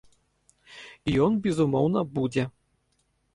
І ён, безумоўна, будзе.